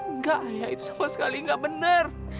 enggak ayah itu sama sekali gak bener